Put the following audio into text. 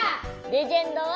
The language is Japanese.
レジェンドは？